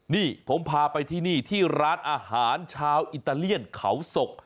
นี่ผมพาไปที่นี่ที่ร้านอาหารชาวอิตาเลียนเขาศก